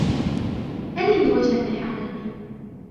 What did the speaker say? أرني وجهك الحقيقي.